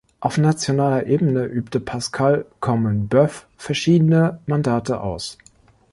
Auf nationaler Ebene übte Pascal Corminboeuf verschiedene Mandate aus.